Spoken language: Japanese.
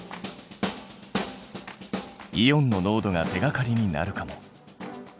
イオンの濃度が手がかりになるかも。